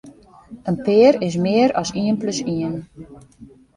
In pear is mear as ien plus ien.